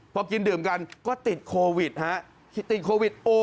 พอกินดื่มกันก็ติดโควิด